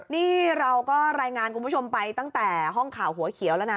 นี่เราก็รายงานคุณผู้ชมไปตั้งแต่ห้องข่าวหัวเขียวแล้วนะ